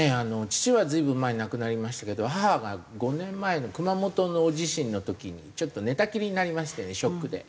父は随分前に亡くなりましたけど母が５年前の熊本の地震の時にちょっと寝たきりになりましてねショックで。